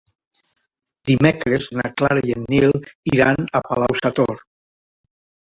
Dimecres na Clara i en Nil iran a Palau-sator.